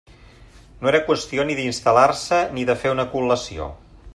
No era qüestió ni d'instal·lar-se ni de fer una col·lació.